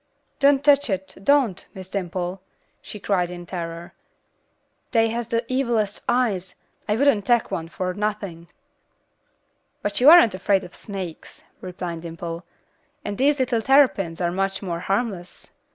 "Don't tech it, don't, Miss Dimple," she cried in terror. "Dey has de evilest eyes. I wouldn't tech one fer nothin'." "But you aren't afraid of snakes," replied Dimple, "and these little terrapins are much more harmless."